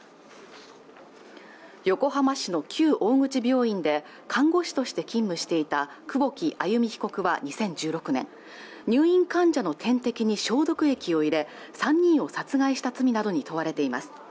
横浜市の旧大口病院で看護師として勤務していた久保木愛弓被告は２０１６年入院患者の点滴に消毒液を入れ３人を殺害した罪などに問われています